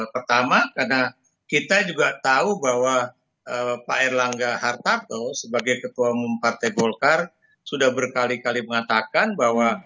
pertama karena kita juga tahu bahwa pak erlangga hartarto sebagai ketua umum partai golkar sudah berkali kali mengatakan bahwa